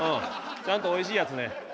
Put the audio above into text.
ちゃんとおいしいやつね。